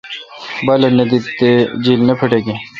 بالہ نہ دیت تےجیل نہ پھٹکیں